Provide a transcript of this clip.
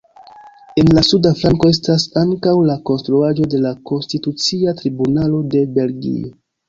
En la suda flanko estas ankaŭ la konstruaĵo de la Konstitucia Tribunalo de Belgio.